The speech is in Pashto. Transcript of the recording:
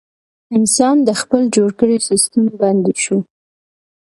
انسان د خپل جوړ کړي سیستم بندي شو.